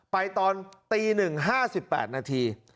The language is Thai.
ไปตอนตี๑ห้าสิบแปดนาที